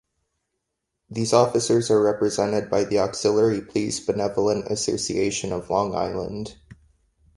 These officers are represented by the Auxiliary Police Benevolent Association of Long Island.